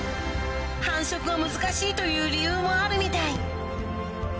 繁殖が難しいという理由もあるみたい